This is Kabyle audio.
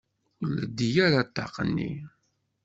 Ur leddi ara ṭṭaq-nni.